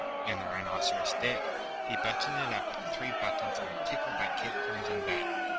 And the Rhinoceros did. He buttoned it up with the three buttons, and it tickled like cake crumbs in bed.